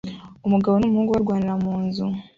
Umugabo n'umuhungu barwanira mu nzu